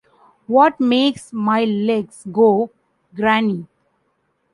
What makes my legs go, granny?